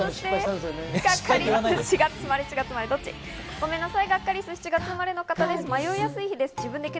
ごめんなさい、ガッカりす、７月生まれの方です。